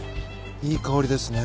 いい香りですね。